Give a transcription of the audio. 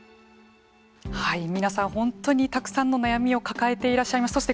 皆さん、本当にたくさんの悩みを抱えていらっしゃいます。